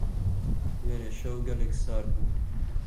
دوێنێ شەو گەلێک سارد بوو.